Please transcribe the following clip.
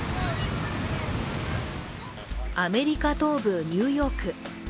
アメリカ東部ニューヨーク。